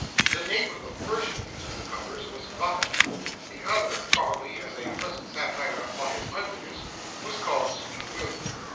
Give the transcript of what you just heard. The name of the first of these newcomers was Vuffin; the other, probably as a pleasant satire upon his ugliness, was called Sweet William.